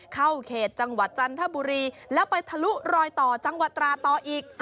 เข้าเขตจังหวัดจันทบุรีแล้วไปทะลุรอยต่อจังหวัดตราต่ออีก